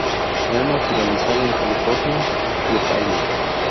Se ha naturalizado en California, y Ohio.